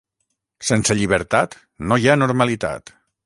Sense llibertat, no hi ha normalitat!